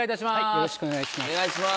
よろしくお願いします。